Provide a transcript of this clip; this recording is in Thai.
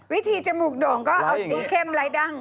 วิธีจมูกด่งก็เอาซู๊กเข้มไล่ดัง